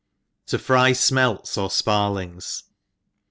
m To/fy Smelts or Sparlings.